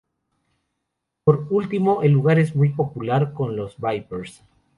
Por último, el lugar es muy popular con los Vipers.